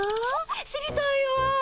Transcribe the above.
知りたいわ。